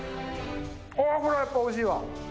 これはやっぱおいしいわ。